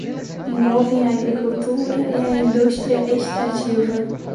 envolvem a agricultura e a indústria extrativa